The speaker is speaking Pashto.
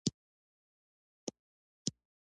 افغانستان د خپلو بارانونو له مخې پېژندل کېږي.